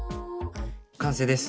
完成です。